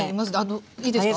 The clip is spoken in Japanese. いいですか？